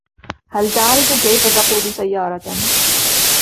هل تعرف كيف تقود سيارة ؟